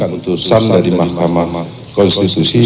putusan dari mahkamah konstitusi